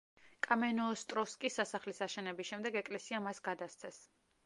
კამენოოსტროვსკის სასახლის აშენების შემდეგ ეკლესია მას გადასცეს.